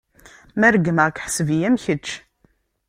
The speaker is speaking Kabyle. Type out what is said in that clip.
Ma regmeɣ-k, ḥseb-iyi am kečč.